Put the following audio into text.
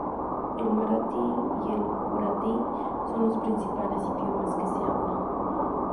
El maratí y el guyaratí son los principales idiomas que se hablan.